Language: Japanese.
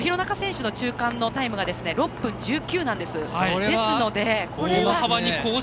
廣中選手の平均がタイムが６分１９なんです。